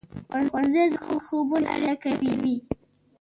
ښوونځی زموږ خوبونه رښتیا کوي